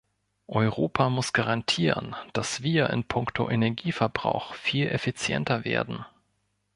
Europa muss garantieren, dass wir in puncto Energieverbrauch viel effizienter werden.